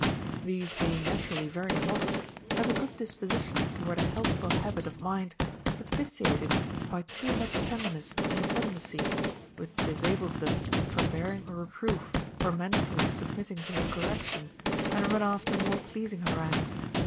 These being naturally very modest have a good disposition toward an healthful habit of mind, but vitiate it by too much tenderness and effeminacy, which disables them for bearing a reproof or manfully submitting to a correction, and run after more pleasing harangues, 460 OF HEARING.